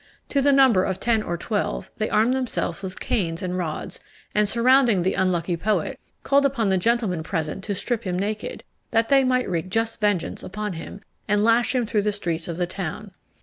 To the number of ten or twelve, they armed themselves with canes and rods, and surrounding the unlucky poet, called upon the gentlemen present to strip him naked, that they might wreak just vengeance upon him, and lash him through the streets of the town.